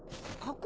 あっ。